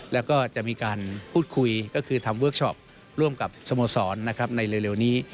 แล้วก็จะมีการพูดคุยก็คือทำเวิร์คชอปร่วมกับสโมสรนะครับในเร็วนี้